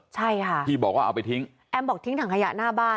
ใช่ค่ะที่บอกว่าเอาไปทิ้งแอมบอกทิ้งถังขยะหน้าบ้าน